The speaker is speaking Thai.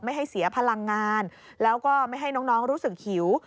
ให้เสียพลังงานแล้วก็ไม่ให้น้องรู้สึกหิว